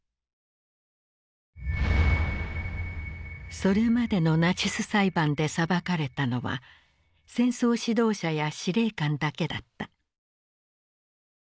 それまでのナチス裁判で裁かれたのは戦争指導者や司令官だけだった。